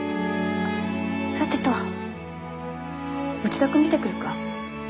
さてと内田君見てくるか。